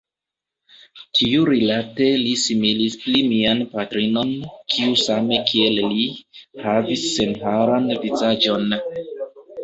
Tiurilate li similis pli mian patrinon, kiu same kiel li, havis senharan vizaĝon.